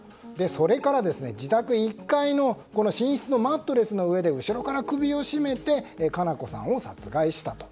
それから、自宅１階の寝室のマットレスの上で後ろから首を絞めて佳菜子さんを殺害したと。